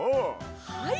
はい！